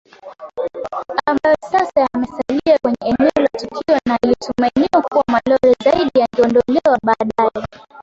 ambayo sasa yamesalia kwenye eneo la tukio na ilitumainiwa kuwa malori zaidi yangeondolewa baadaye